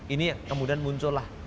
ini kemudian muncullah